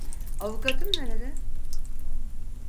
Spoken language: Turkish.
Avukatım nerede?